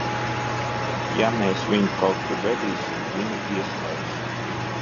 Ja mēs viņu kaut kur vedīsim, viņu ieslēgs!